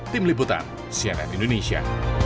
tim liputan sianat indonesia